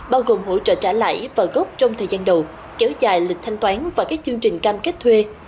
bao gồm hỗ trợ trả lãi và gốc trong thời gian đầu kéo dài lịch thanh toán và các chương trình cam kết thuê